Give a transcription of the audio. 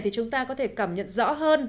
thì chúng ta có thể cảm nhận rõ hơn